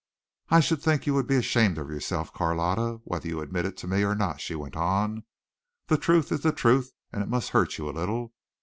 "I should think you would be ashamed of yourself, Carlotta, whether you admit it to me or not," she went on. "The truth is the truth and it must hurt you a little.